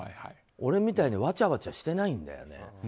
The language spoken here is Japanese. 俺みたいにわちゃわちゃしてないんだよね。